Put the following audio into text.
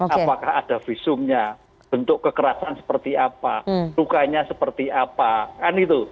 apakah ada visumnya bentuk kekerasan seperti apa lukanya seperti apa kan itu